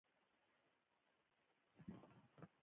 موټرونه او درمل په پراخه کچه ارزانه شوي دي